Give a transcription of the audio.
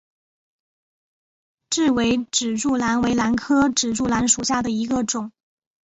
雉尾指柱兰为兰科指柱兰属下的一个种。